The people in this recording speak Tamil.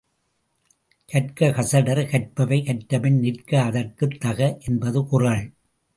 கற்க கசடறக் கற்பவை கற்றபின் நிற்க அதற்குத் தக என்பது குறள்.